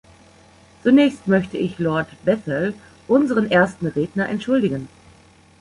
Zunächst möchte ich Lord Bethell, unseren ersten Redner, entschuldigen.